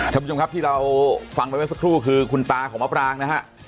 ท่านผู้ชมครับที่เราฟังไปเมื่อสักครู่คือคุณตาของมะปรางนะฮะ